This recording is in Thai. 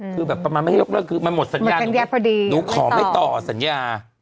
คือแบบประมาณไม่ให้ยกเลิกคือมันหมดสัญญาพอดีหนูขอไม่ต่อสัญญา